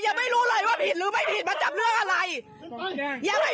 ยังไม่มีรักฐานว่าผิดอะไรเลยจับขึ้นได้ยังไง